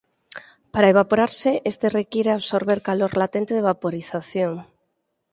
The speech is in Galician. Para evaporarse este require absorber calor latente de vaporización.